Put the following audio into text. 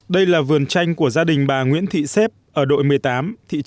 đây là vườn chanh của gia đình bà nguyễn thị xếp ở đội một mươi tám